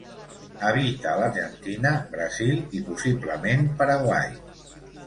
Habita a l'Argentina, Brasil i possiblement Paraguai.